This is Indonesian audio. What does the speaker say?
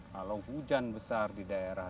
kalau hujan besar di daerah